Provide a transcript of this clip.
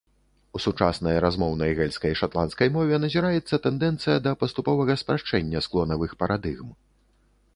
У сучаснай размоўнай гэльскай шатландскай мове назіраецца тэндэнцыя да паступовага спрашчэння склонавых парадыгм.